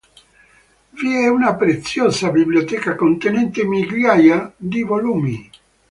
Vi è una preziosa biblioteca contenente migliaia di volumi.